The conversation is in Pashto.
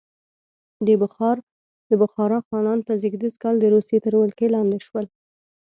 د بخارا خانان په زېږدیز کال د روسیې تر ولکې لاندې شول.